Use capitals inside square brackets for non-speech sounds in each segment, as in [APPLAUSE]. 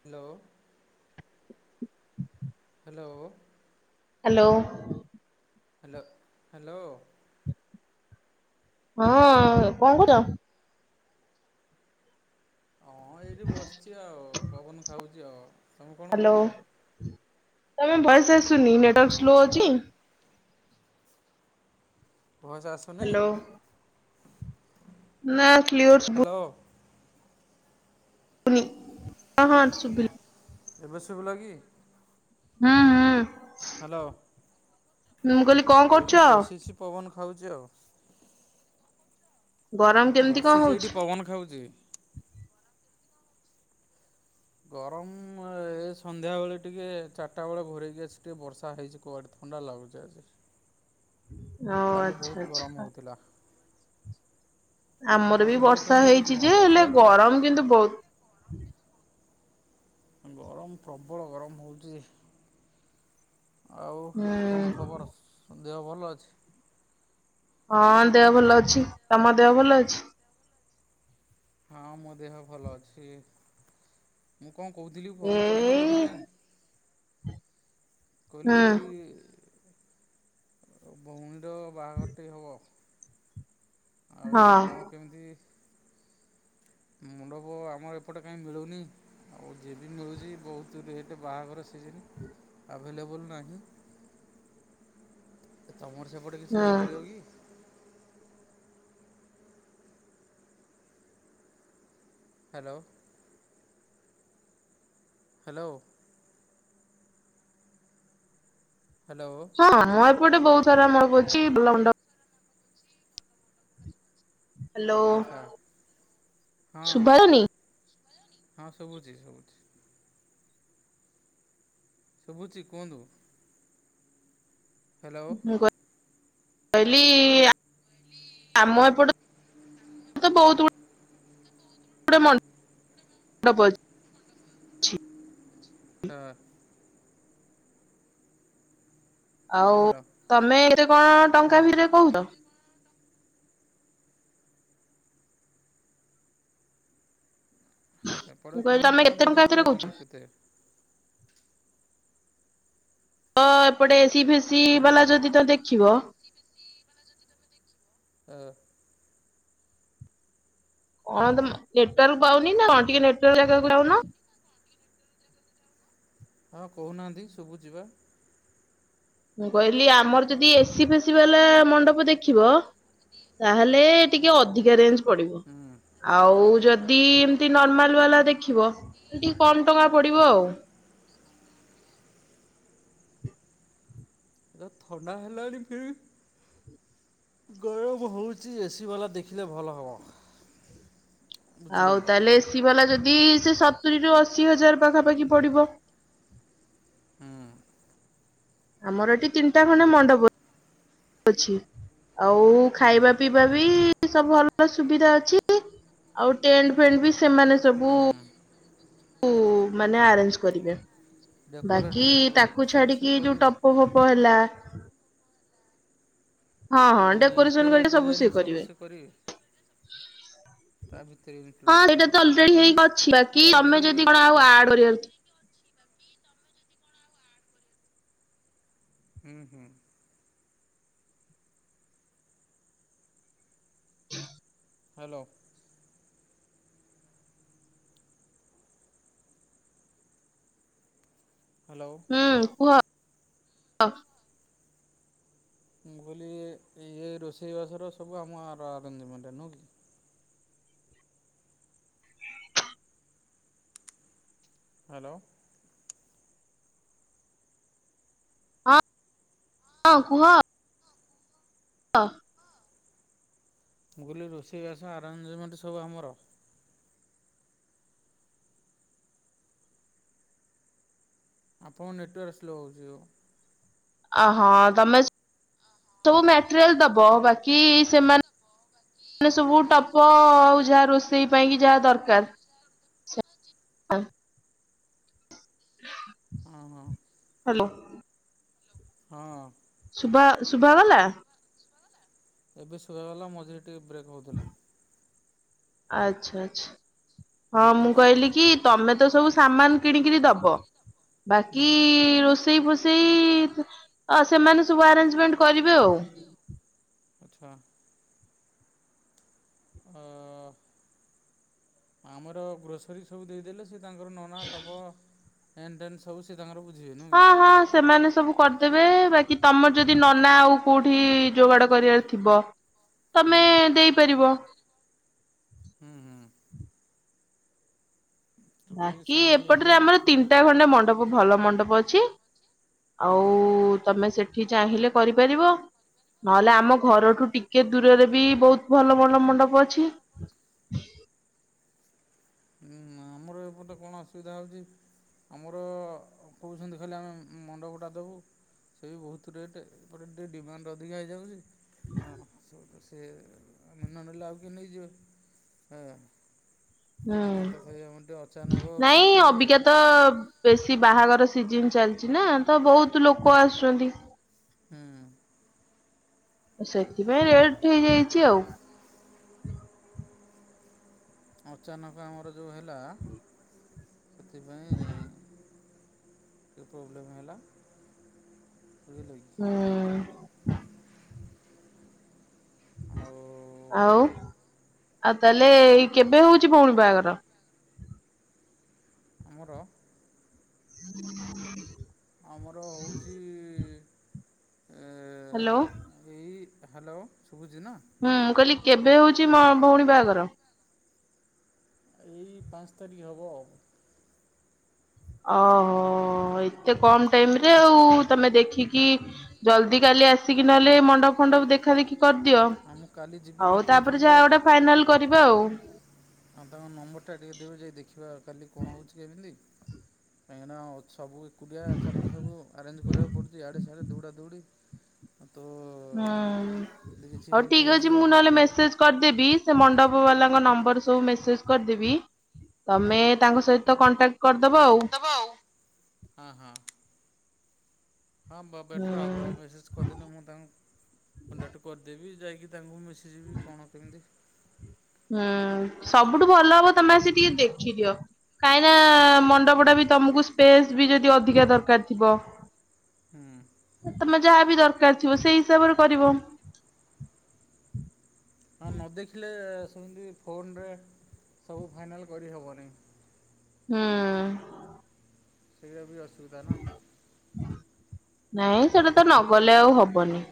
Hello hello hello hello hello ହଁ କଣ କରୁଚ? ହଁ ଏଇଠି ବସିଚି ଆଉ ପବନ ଖାଉଚି ଆଉ ତମେ କଣ ହ୍ୟାଲୋ କରୁଚ? ତମ ଭଏସ ଆସୁନି ନେଟୱାର୍କ ସ୍ଲୋ ହ୍ୟାଲୋ ଅଛି। ଭଏସ ଆସୁନି? ହ୍ୟାଲୋ ନା କ୍ଲିୟର ସୁବୁ ହ୍ୟାଲୋ ନି ହଁ ହଁ ସୁବିଲା। ଏବେ ସୁବିଲା କି? ହୁଁ ହୁଁ ହ୍ୟାଲୋ ମୁଁ କହିଲି କଣ କରୁଛ? ଖାଉଚି ଆଉ। ଗରମ କେମିତି କଣ ବସିଚି ହଉଛି? ଏଇଠି ପବନ ଖାଉଚି। ଗରମ ଏ ସନ୍ଧ୍ୟା ବେଳେ ଟିକେ ଚାରିଟା ବେଳେ ଘୋରେଇକି ଆସି ଟିକେ ବର୍ଷା ହେଇଚି କୁଆଡେ ତ ଥଣ୍ଡା ଲାଗୁଚି ଆଜି। ଓ କାଲି ବହୁତ ଆଚ୍ଛା ଗରମ ଆଚ୍ଛା। ହେଉଥିଲା। ତମ ଆମର ବି ସେପଟେ ବର୍ଷା କେମିତି ହେଉଛି ହେଇଚି କଣ ଯେ ବର୍ଷା ହେଲେ ହେଇଥିଲା କି? ଗରମ କିନ୍ତୁ ବୋହୁତ। ଗରମ ପ୍ରବଳ ଗରମ ହୋଉଚି। ଆଉ ହୁଁ କଣ ଖବର ଦେହ ଭଲ ଅଛି? ହଁ ଦେହ ଭଲ ଅଛି ତମ ଦେହ ଭଲ ଅଛି? ହଁ ମୋ ଦେହ ଭଲ ଅଛି। ମୁଁ କଣ କୋହୁଥିଲି ଫୋନ୍ କରିଥିଲି ଏଇ ଏଇଥିପାଇଁ କହିଲି ହୁଁ ଭଉଣୀର ବାହାଘର ଟିକେ ହବ। ଆଉ ହଁ କଣ କେମିତି? ମଣ୍ଡପ ଆମର ଏପଟେ କାହିଁ ମିଳୁନି ଆଉ ଯିଏ ବି ମିଳୁଚି ବୋହୁତ ରେଟ୍ ବାହାଘର ସିଜି ହୁଁ ଆଭେଲେବୁଲ ନାହିଁ। ତମର ସେପଟେ କିଛି ହୁଁ ହେଇପାରିବ କି? ହ୍ୟାଲୋ। ହ୍ୟାଲୋ। ହ୍ୟାଲୋ ହଁ ଆମ ଏପଟେ ବୋହୁତ ସାରା ମଣ୍ଡପ ଅଛି। ଲ ହ୍ୟାଲୋ ଆଚ୍ଛା ହଁ ସୁଭା ଯାଉନି? ହଁ ସବୁଚି ସବୁଚି। ସୁବୁଚି କୁହନ୍ତୁ। ହ୍ୟାଲୋ। ମୁଁ କହିଲି ଆମ ଏପଟେ ବୋହୁତ ଗୋ ଟେ ମଣ୍ଡପ ଅଛି। [INAUDIBLE] ହଁ। ଆଉ ହ୍ୟାଲୋ ତମେ ଏତେ କଣ ଟଙ୍କା ହଁ ଭି [UNINTELLIGIBLE] କୋହୁଚ। ସେପଟେ ମୁଁ କହିଲି କେମତି ତମେ କଣ କେତେ ଟଙ୍କା ବଜେଟ ଭିତରେ କହୁଛ? କୋହୁଚନ୍ତି କେତେ? ତ ଏପଟେ ଏସିି ଫେସି ହ୍ୟାଲୋ ବାଲା ଯଦି ତ ଦେଖିବ। ହଁ। କଣ ତମ ନେଟୱାର୍କ ପାଉନି ନା କଣ ଟିକେ ନେଟୱାର୍କ ଜାଗାକୁ ଯାଉନ। ହଁ କୋହୁନାହାନ୍ତି ଶୁବୁଚି ପା। ମୁଁ କହିଲି ଆମର ଯଦି ଏସି ଫେସି ବାଲା ମଣ୍ଡପ ଦେଖିବ। ତାହେଲେ ଟିକେ ଅଧିକା ରେଞ୍ଜ ପଡିବ ହୁଁ ଆଉ ଯ ଦି ଏମତି ନର୍ମାଲ ବାଲା ଦେଖିବ ତାହେଲେ ଟିକେ କମ୍ ଟଙ୍କା ପଡିବ ଆଉ। ସ ସ ସ ତ ଥଣ୍ଡା ହେଲାଣି କି? ଗରମ ହୋଉଚି ଏସି ବାଲା ଦେଖିଲେ ଭଲ ହବ। ଆଉ ତାହେଲେ ଏସି ବାଲା ଯ ବି ସେ ସତୁରିରୁ ଅସି ହଜାର ପାଖା ପାଖି ପଡିବ। ହୁଁ। ଆମର ଏଠି ତିନିଟା ଖଣ୍ଡେ ମଣ୍ଡପ ଅଛି। ଆଉ ଖାଇବା ପିଇବା ବି ସବୁ ଭଲ ସୁବିଧା ଅଛି। ଆଉ ଟେଣ୍ଟ ଫେଣ୍ଟ ବି ସେମାନେ ସବୁ ସବୁ ମାନେ ଆରେଞ୍ଜ କରିବେ। ବାକି ତାକୁ ଡେକୋରେଟ୍ ସବୁ ସେ ଛାଡିକି ଯୋଉ କରିବେ। ଟପ ଫପ ହେଲା ହଁ ହଁ ଏଇ ଡେକୋରେସନ ଇଣ୍ଟେରିୟର୍ ହେରିକା ସବୁ ଡିଜାଇନ୍ ସିଏ କରିବେ। ସେ ତା ଭିତରେଇ ହଁ ଇନ୍କ୍ଲୁଡ ସେଇଟା ଏଟା ତ ଆମର ଅଲରେଡି ଖାଲି ହେଇକି ଅଛି ବାକି ତମେ ଯାଇକିରି ଯଦି କଣ ଆଉ ଆଡ କରିବାର ଥି ହୁଁ ହୁଁ। ହାଲୋ। ହ୍ୟାଲୋ ହୁଁ କୁହ ଅ? ମୁଁ କହିଲି ଏଇ ରୋଷେଇବାସର ସବୁ ଆମ ର ଆ ଆରେଞ୍ଜମେଣ୍ଟ ନୁହୁଁ କି? ହାଲୋ। ହଁ କୁହ? ହ। ମୁଁ କହିଲି ରୋଷେଇବାସ ଆରେଞ୍ଜମେଣ୍ଟ ସବୁ ଆମର ଆପଣ ନେଟୱାର୍କ ସ୍ଲୋ ହୋଉଚି ଯୋଉ ଅହଁ ତମେ ସବୁ ମଟେରିଆଲ ଦବ। ବାକି ସେମାନେ ମାନେ ସବୁ ଟପ, ଆଉ ଯାହା ରୋଷେଇ ପାଇଁ କି ଯାହା ଦରକାର। ସେ [INAUDIBLE] ଆ। ହଁ ହଁ। ହାଲୋ। ହଁ। ବା ଶୁଭା ଗଲା? ଏବେ ଶୁଭା ଗଲା। ମଝିରେ ଟିକେ ବ୍ରେକ୍ ହୋଉଥିଲା। ଆଛା ଆଛା ହଁ ଏବେ ମୁଁ ଠିକ୍ କହିଲି ଶୁଭୁଛି କି ତମେ ତ ସବୁ ସାମାନ କିଣିକିରି ଦବ ବାକି ହୁଁ। ରୋଷେଇ ସେଇ ଫୋସେଇ ଆ ସେମାନେ ସବୁ ଆରେଞ୍ଜମେଣ୍ଟ କରିବେ ଆଉ। ଆଛା। ଅ ଆମର ଗ୍ରୋସରୀ ସବୁ ଦେଇଦେଲେ ସିଏ ତାଙ୍କର ନନା ଟପ ହେନ୍ ଦେନ୍ ସବୁ ସିଏ ତାଙ୍କର ବୁ ହଁ ହଁ ସେମାନେ ସବୁ କରିଦେବେ ବାକି ତମର ଯଦି ନନା ଆଉ କୋଉଠି ଯୋଗାଡ କରିବାର ଥିବ ତମେ ହୁଁ। ଦେଇପାରିବ। ହୁଁ ହୁଁ। ତ ଟିକେ ବାକି ସେମିତି ଏପଟରେ ହେଲେ ଆମର ତିନିଟା ଖଣ୍ଡେ ମଣ୍ଡପ ଭଲ ମଣ୍ଡପ ଅଛି। ଆଉ ହଁ ତମେ ସେଠି ଚାହିଁଲେ କରିପାରିବ। ନହେଲେ ଆମ ଘରଠୁ ଟିକେ ଦୂରରେ ବି ବହୁତ ଭଲ ଭଲ ମଣ୍ଡପ ଅଛି। ହୁଁ ଆମର ଏପଟେ କଣ ଅସୁବିଧା ହୋଉଚି ଆମର କୋହୁଛନ୍ତି ଖାଲି ଆମେ ମଣ୍ଡପଟା ଦେବୁ। ସେଇ ବହୁତ ରେଟ୍ ଏପଟେ ଟିକେ ଡିମାଣ୍ଡ ଅଧିକା ହେଇଯାଉଛି ଆ ଚୋଉଦଶ ସେ ଆମେ ନନେଲେ ଆଉ କିଏ ନେଇଯିବେ ପାଇବାନି। ହୁଁ ନାଇଁ ଫିକ୍ସ ହେଇଗଲା ଅବିକା ତ ବେଶି ସି ବାହାଘର ସିଜିନ ଚାଲିଚି ନା ତ ବହୁତ ଲୋକ ଆସୁଚନ୍ତି। ହୁଁ। ସେଥିପାଇଁ ରେଟ ହେଇଯାଇଚି ଆଉ। ଅଚାନକ ଆମର ଯୋଉ ହେଲା ସେଥିପାଇଁ [INAUDIBLE] କେ ପ୍ରୋବ୍ଲେମ ହେଲା [INAUDIBLE] ଶୋଇପଇଲକି? ହୁଁ ଆଉ ଆଉ ତାହେଲେ ଏଇ କେବେ ହଉଛି ଭଉଣ ବାହାଘର ଆମର? ହୁଁ ଆମର ହଉଚି ହ୍ୟାଲୋ ଏଇ ହ୍ୟାଲୋ। ଶୁଭୁଛି ନା ହୁଁ ମୁଁ କହିଲି କେବେ ହଉଛି ମ ଭଉଣୀ ବାହାଘର? ଏଇ ପାଞ୍ଚ ତାରିଖ ହବ ଆଉ ଓହୋ ଏତେ କମ ଟାଇମ ରେ ଆଉ ତମେ ଦେଖିକି ଜଲଦି କାଲି କାଲି ଆସିକି ନହେଲେ ମଣ୍ଡପ ଫଣ୍ଡପ ଦେଖା ଦେଖି କରିଦିଅ ହଁ ମୁଁ କାଲି ଯିବି ହଉ ମୋତେ ତାପରେ ତାଙ୍କ ଯାହା ଗୋଟା ଫାଇନାଲ କରିବା ଆଉ ହଁ ତାଙ୍କ ନମ୍ବର ଟା ଟିକେ ଦେବେ ଯାଇ ଦେଖିବାଉ କାଲି କଣ ହଉଛି କେମିତି କାହିଁକିନା ସବୁ ଏକୁଡି ଆଚାନକ ସବୁ ଆରେଞ୍ଜ କରିବାକୁ ପଡୁଛି ଆଡେ ସେ ହିଆଡେ ଦୌଡ଼ା ଦୌଡି ହୁଁ ହଉ ହେଲ୍ପ ଠିକ ଅଛି ହେଇଯିବ ମୁଁ ନହେଲେ ବେଟର୍ ହେବ। ମେସେଜ କରିଦେବି ସେ ମଣ୍ଡପ ବାଲାଙ୍କ ନମ୍ବର ସବୁ ମେସେଜ କରିଦେବି ତମେ ହଁ ତାଙ୍କ ସହିତ କଣ୍ଟାକ୍ଟ କରିଦବ ଆଉ ହଁ ହଁ ହଁ ବା ହୁଁ ବେଟର ହବ ମେସେଜ କରିଦେଲେ ମୁଁ ତାଙ୍କୁ କଣ୍ଟାକ୍ଟ କରିଦେବି ଯାଇକି ତାଙ୍କୁ ମି ଶିଯିବି କଣ କେମିତି ହୁଁ ସବୁଠୁ ଭଲ ହବ ତମେ ଆସି ଟିକେ ଦେଖିଦିଅ କାହିଁ ନା ମଣ୍ଡପ ଟା ବି ତମକୁ ସ୍ପେସ ବି ଯଦି ଅଧିକା ଦରକାର ଥିବ ହୁଁ। ଯାହା ବି ଦରକାର ଥିବ ସେଇ ହିସାବରେ କରିବ। ହଁ ନ ଦେଖିଲେ ଫୋନରେ ସବୁ ଫାଇନାଲ କରିହେବନି ହୁଁ। ସେଇଟା ବି ଅସୁବିଧା ନା ନାଇଁ ମୁଁ ବି ସେଟା ତ ଜାଗାକୁ ଯାଇ ନଗଲେ ଆଉ ହବନି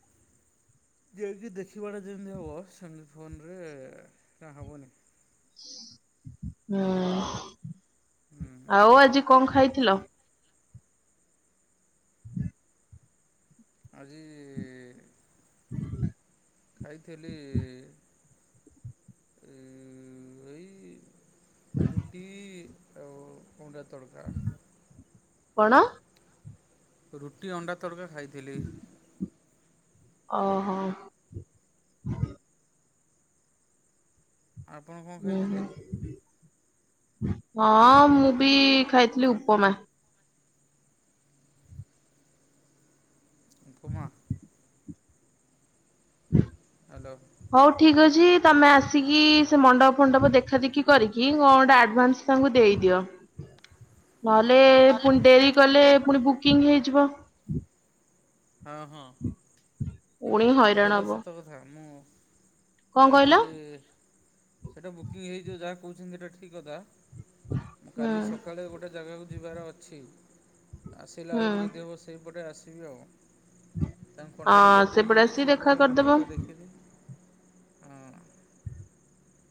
[UNINTELLIGIBLE] ଯାଇକି ଦେଖିବା ଟା ଯେମତି ହବ ସେମିତି ଫୋନରେ ଆ ହବନି। ହୁଁ ହୁଁ ଆଉ ଆଜି କଣ ଖାଇଥିଲ? ଆଜି ଖାଇଥିଲି ଏଇ ରୁଟି ଆଉ ଅଣ୍ଡା ତଡ଼କା। କଣ? ରୁଟି ଅଣ୍ଡା ତଡ଼କା ଖାଇଥିଲି। ଓହୋ। ଆପଣ କଣ ହୁଁ ଖାଇଥିଲେ ହୁଁ। ହଁ ମୁଁ ବି ଖାଇଥିଲି ଉପମା। ଉପମା। ହ୍ୟାଲୋ ହଉ ଠିକ ଅଛି ତମେ ଆସିକି ସେ ମଣ୍ଡପ ଫଣ୍ଡପ ଦେଖା ଦେଖି କରିକି କଣ ଗୋଟେ ଆଡଭାନ୍ସ ତାଙ୍କୁ ଦେଇଦିଅ। ନହେଲେ ପୁଣି ଡେରି କଲେ ପୁଣି ବୁକିଂ ହେଇଯିବ ହଁ ହଁ। ପୁଣି ସେଇଟା ହଇରାଣ ତ ହବ ସତ କଥା ମୁଁ କଣ କାଲି କହିଲ? ସେଟା ବୁକିଂ ହେଇଯିବ ଯାହା କହୁଛନ୍ତି ସେଟା ଠିକ କଥା ମୁଁ ହୁଁ କାଲି ସକାଳେ ଗୋଟେ ଜାଗାକୁ ଯିବାର ଅଛି ଆସିଲା ହୁଁ ବେଳକୁ ଯଦି ହବ ସେଇପଟେ ଆସିବି, ଆଉ ହଁ ସେପଟେ ଆସିଵେ ଗୋଟେ ମଣ୍ଡପଟା ଦେଖିଲି, ଅଁ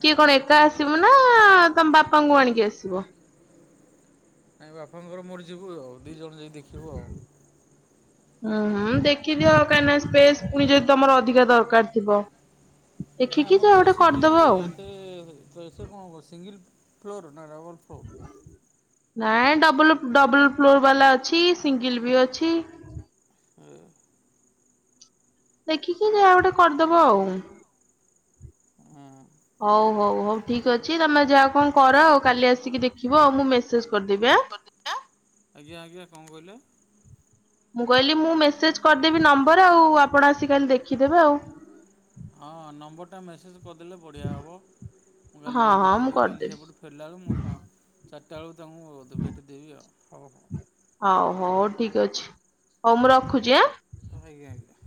କିଏ କଣ ଏକା ଆସିବ ନା, ତମ ବାପାଙ୍କୁ ଆଣିକି ଆସିବ? ନାଇ ବାପାଙ୍କର ମୋର ଯିବୁ ଆଉ, ଦି ଜଣ ଯାଇ ଦେଖିବୁ ଆଉ ହୁଁ ହଁ ଦେଖିଦିଅ କାହିଁକିନା, ସ୍ପେସ ପୁଣି ଯଦି ତମର ଅଧିକା ଦରକାର ଥିବ ନାଇଁ, ଦେଖିକି ଆମର ଯାହା ଗୋଟେ ବେଶୀ ବି କରିଦବ ଆଉ। ଏତେ ସେ କଣ ସିଙ୍ଗଲ ଫ୍ଲୋର ନା ଡବଲ ଫ୍ଲୋ ନାଇଁ ଡବଲ, ଡବଲ ଫ୍ଲୋର ବାଲା ଅଛି, ସିଙ୍ଗଲ ବି ଅଛି। ଆ। [UNINTELLIGIBLE] ଦେଖିକି ଯାହା ଗୋଟେ କରିଦବୁ ଆଉ ହଉ ହଉ ହଉ ଠିକ ଅଛି ତମେ ଯାହା କଣ କର ଆଉ କାଲି ଆସିକି ଦେଖିବ ଆଉ ମୁଁ ମେସେଜ କରିଦେବି ଆଁ। ଆଜ୍ଞା, ଆଜ୍ଞା କଣ କହିଲେ? ମୁଁ କହିଲି ମୁଁ ମେସେଜ କରିଦେବି ନମ୍ବର ଆଉ ଆପଣ ଆସି କାଲି ଦେଖିଦେବେ ଆଉ। ହଁ ନମ୍ବରଟା ମେସେଜ କରିଦେଲେ ବଢିଆ ହବ। ମୁଁ କାଲି ହଁ ଯାଇକି ହଁ ମୁଁ ଦେଖିଦେବି, କାଲି କରିଦେବି ସେପଟୁ ଫେରିଲା ବେଳ ମୁଁ ସଂ ଚାର ଚାରିଟା ବେଳକୁ ତମକୁ ଭେଟିଦେବି ଆଉ, ହଉ ହଉ। ହଉ, ହଉ ଠିକ ଅଛି, ହଉ ମୁଁ ରଖୁଛି ଆଁ। ଆଜ୍ଞା ଆଜ୍ଞା।